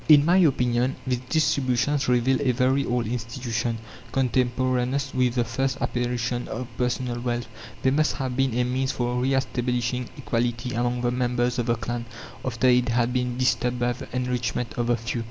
(30) In my opinion these distributions reveal a very old institution, contemporaneous with the first apparition of personal wealth; they must have been a means for re establishing equality among the members of the clan, after it had been disturbed by the enrichment of the few.